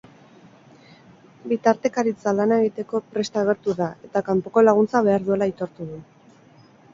Bitartekaritza lana egiteko prest agertu da eta kanpoko laguntza behar dutela aitortu du.